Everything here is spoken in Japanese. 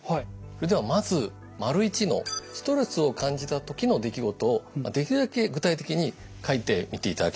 それではまず①の「ストレスを感じた時の出来事」をできるだけ具体的に書いてみていただけますか？